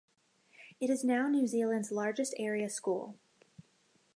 It is now New Zealand's largest Area School.